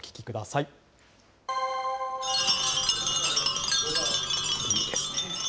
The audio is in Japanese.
いいですね。